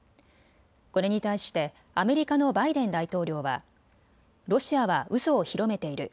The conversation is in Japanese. これに対してアメリカのバイデン大統領はロシアはうそを広めている。